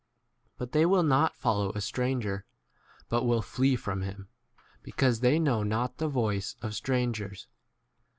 But they will not follow a stranger, but will flee from him, because they know 6 not the voice of strangers.